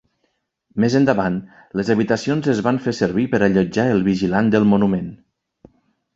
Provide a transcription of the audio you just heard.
Més endavant, les habitacions es van fer servir per allotjar el vigilant del monument.